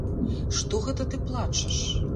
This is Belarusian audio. Што гэта ты плачаш?